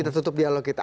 kita tutup dialog kita